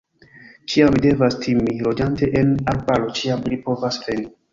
Ĉiam mi devas timi, loĝante en arbaro, ĉiam ili povas veni!